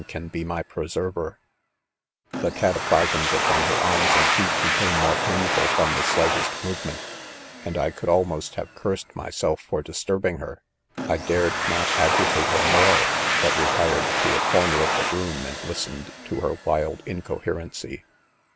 can be , my preserver I ?? u 'The cataplasms upon her arms and feet became more painful from the slightest move ment ; and I could almost'' have cursed myself for disturbing her. I dared not agitate her more, but retired to a corner of the room and listened to her wild incoherency.